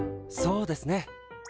そうですね。